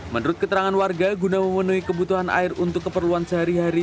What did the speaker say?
menurut keterangan warga guna memenuhi kebutuhan air untuk keperluan sehari hari